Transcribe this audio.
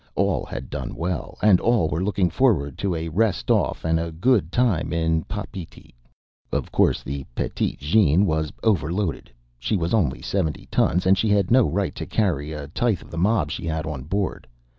All had done well, and all were looking forward to a rest off and a good time in Papeete. Of course, the Petite Jeanne was overloaded. She was only seventy tons, and she had no right to carry a tithe of the mob she had on board.